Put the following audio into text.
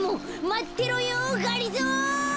まってろよがりぞー！